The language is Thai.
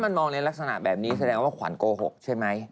มันมองในลักษณะแบบนี้แสดงว่าขวัญโกหกใช่ไหม